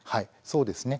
そうですね。